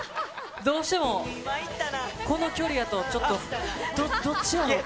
どうしても、この距離やと、ちょっと、どっちやろって。